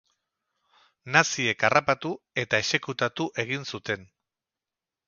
Naziek harrapatu eta exekutatu egin zuten.